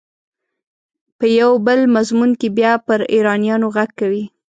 په یو بل مضمون کې بیا پر ایرانیانو غږ کوي.